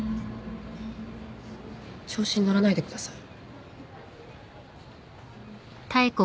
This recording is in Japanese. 調子に乗らないでください。